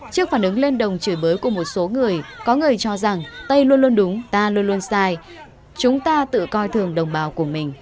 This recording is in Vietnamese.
trước phản ứng lên đồng chửi bới của một số người có người cho rằng tây luôn luôn đúng ta luôn luôn sai chúng ta tự coi thường đồng bào của mình